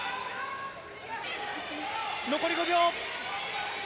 残り５秒！